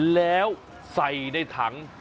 แล้วใส่ในถัง